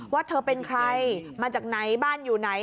ว่าเธอเป็นใครมาจากไหนบ้านอยู่ไหน